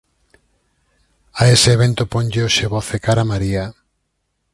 A ese evento ponlle hoxe voz e cara María.